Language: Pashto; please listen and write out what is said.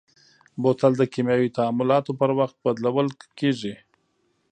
بوتل د کیمیاوي تعاملاتو پر وخت بدلول کېږي.